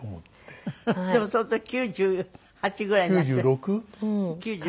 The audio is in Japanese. でもその時９８ぐらいに。